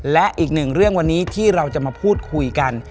และอีกหนึ่งเรื่องวันนี้ที่เราจะมาพูดคุยกัน